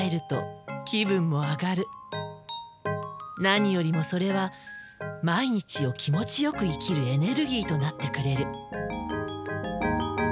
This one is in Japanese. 何よりもそれは毎日を気持ちよく生きるエネルギーとなってくれる。